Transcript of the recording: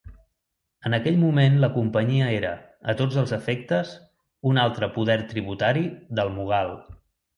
En aquell moment la Companyia era, a tots els efectes, un altre poder tributari del Mughal.